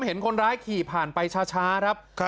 เห็นคนร้ายขี่ผ่านไปช้าครับ